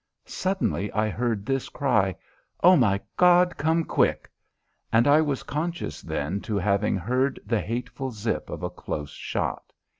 Suddenly I heard this cry "Oh, my God, come quick" and I was conscious then to having heard the hateful zip of a close shot.